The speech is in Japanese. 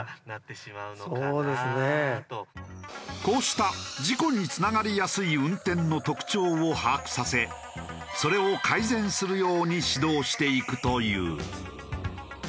こうした事故につながりやすい運転の特徴を把握させそれを改善するように指導していくという。